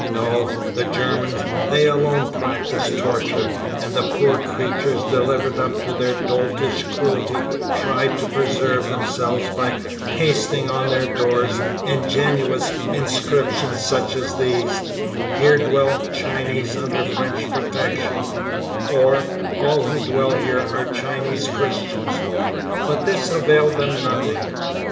No, the Germans, they alone practised torture, and the poor creatures delivered up to their doltish cruelty tried to preserve themselves by pasting on their doors ingenuous inscriptions such as these, "Here dwell Chinese under French protection," or "All who dwell here are Chinese Christians." But this availed them nothing.